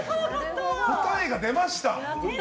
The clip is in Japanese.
答えが出ました。